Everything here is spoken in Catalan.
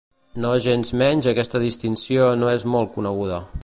Nogensmenys aquesta distinció no és molt coneguda.